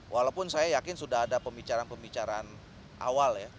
walaupun saya yakin sudah ada pembicaraan pembicaraan awal ya